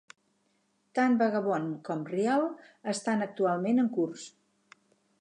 Tant "Vagabond" com "Real" estan actualment en curs.